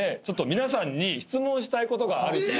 ちょっと皆さんに質問したいことがある。